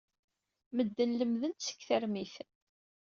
Medden lemmden-d seg termit.